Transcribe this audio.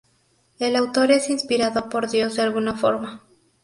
El autor es inspirado por Dios de alguna forma.